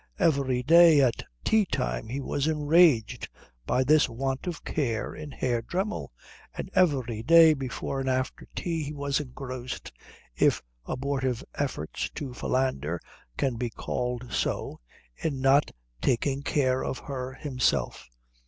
Every day at tea time he was enraged by this want of care in Herr Dremmel, and every day before and after tea he was engrossed, if abortive efforts to philander can be called so, in not taking care of her himself.